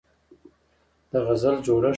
د غزل جوړښت